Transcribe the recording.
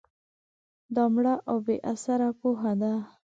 دا مړه او بې اثره پوهه ده